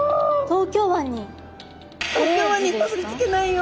東京湾に。